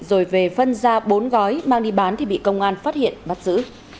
rồi về phân ra bốn gói mang đi bán thì bị công an phát hiện bắt giữ